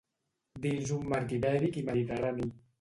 dins un marc ibèric i mediterrani